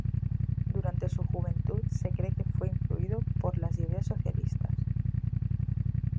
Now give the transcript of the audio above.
Durante su juventud se cree que fue influido por las ideas socialistas.